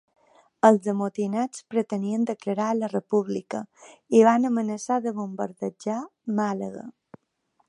Els amotinats pretenien declarar la República i van amenaçar de bombardejar Màlaga.